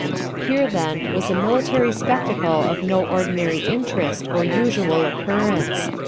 Here, then, was a military spectacle of no ordinary interest or usual occurrence.